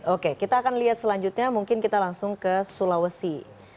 oke kita akan lihat selanjutnya mungkin kita langsung ke sulawesi